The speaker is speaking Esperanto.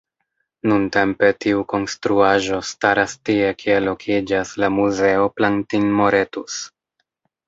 Nuntempe, tiu konstruaĵo staras tie kie lokiĝas la Muzeo Plantin-Moretus.